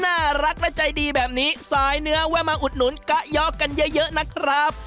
น่ารักและใจดีแบบนี้สายเนื้อแวะมาอุดหนุนกะยอกกันเยอะเยอะนะครับ